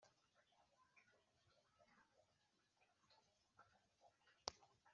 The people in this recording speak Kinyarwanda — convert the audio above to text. yawe i Rasheli aramubwira ati dore umuja wanjye Biluha Ryamana na we maze